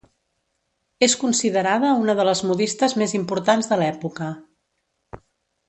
És considerada una de les modistes més importants de l'època.